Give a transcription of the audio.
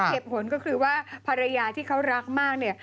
เหตุผลก็คือว่าภรรยาที่เขารักมากเนี่ย